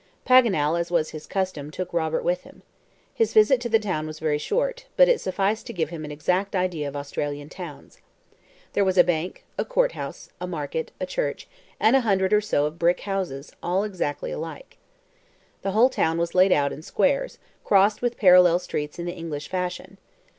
Paganel, as was his custom, took Robert with him. His visit to the town was very short, but it sufficed to give him an exact idea of Australian towns. There was a bank, a court house, a market, a church, and a hundred or so of brick houses, all exactly alike. The whole town was laid out in squares, crossed with parallel streets in the English fashion.